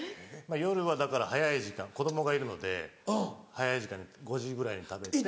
夜はだから早い時間子供がいるので早い時間に５時ぐらいに食べて。